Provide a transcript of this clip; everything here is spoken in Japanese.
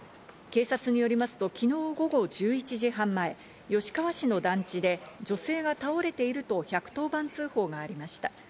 警察によりますと、昨日午後１１時半前、吉川市の団地で女性が倒れていると１１０番通報がありました。